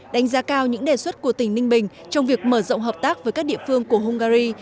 đánh giá cao những đề xuất của tỉnh ninh bình trong việc mở rộng hợp tác với các địa phương của hungary